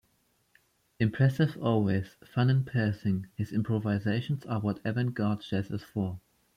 Impressive always, fun in passing, his improvisations are what avant-garde jazz is for.